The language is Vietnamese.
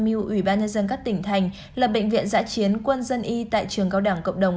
mưu ủy ban nhân dân các tỉnh thành lập bệnh viện giã chiến quân dân y tại trường cao đẳng cộng đồng